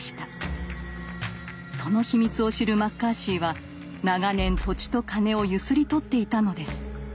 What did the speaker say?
その秘密を知るマッカーシーは長年土地と金をゆすり取っていたのです。